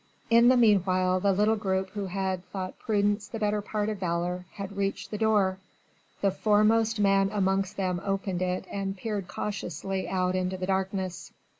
In the meanwhile the little group who had thought prudence the better part of valour had reached the door. The foremost man amongst them opened it and peered cautiously out into the darkness.